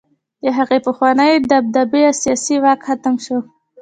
د هغوی پخوانۍ دبدبه او سیاسي واک ختم شو.